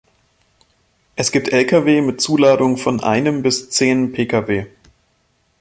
Es gibt Lkw mit Zuladung von einem bis zehn Pkw.